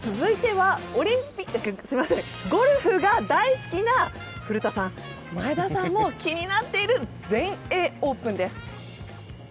続いてはゴルフが大好きな古田さん、前田さんも気になっている全英オープンです。